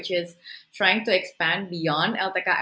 yaitu mencoba untuk mengembangkan